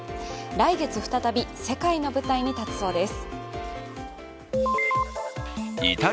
来月再び、世界の舞台に立つそうです。